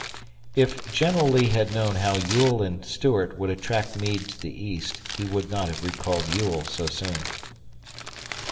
If General Lee had known how Ewell and Stuart would attract Meade to the east, he would not have recalled Ewell so soon.